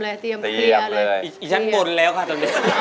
ไอ้ฉันบนแล้วค่ะตรงนี้